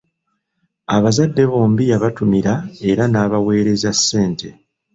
Abazadde bombi yabatumira era n'abaweereza ssente.